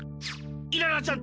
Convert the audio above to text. イララちゃん